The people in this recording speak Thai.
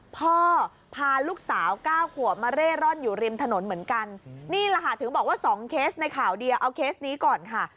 พาลูกสาวเก้าขวบมาเร่ร่อนอยู่ริมถนนเหมือนกันนี่แหละค่ะถึงบอกว่า๒เคสในข่าวเดียวเอาเคสนี้ก่อนค่ะ